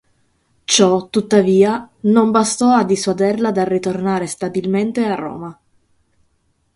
Ciò, tuttavia, non bastò a dissuaderla dal ritornare stabilmente a Roma.